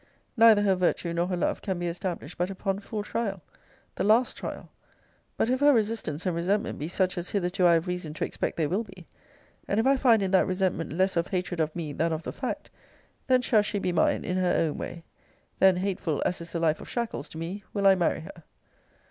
Neither her virtue nor her love can be established but upon full trial; the last trial but if her resistance and resentment be such as hitherto I have reason to expect they will be, and if I find in that resentment less of hatred of me than of the fact, then shall she be mine in her own way. Then, hateful as is the life of shackles to me, will I marry her.